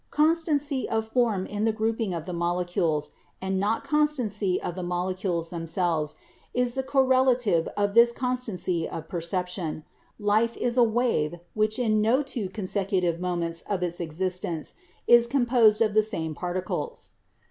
Constancy of form in the grouping of the molecules, and not constancy of the molecules themselves, is the correlative of this con stancy of perception. Life is a wave which in no two consecutive moments of its existence is composed of the same particles.